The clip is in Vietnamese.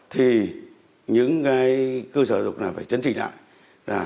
thì những cơ sở dục phải chấn trình lại